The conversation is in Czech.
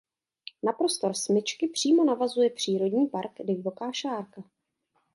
Na prostor smyčky přímo navazuje přírodní park Divoká Šárka.